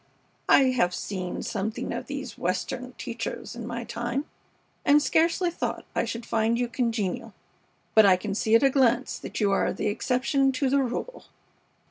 I have seen something of these Western teachers in my time, and scarcely thought I should find you congenial; but I can see at a glance that you are the exception to the rule."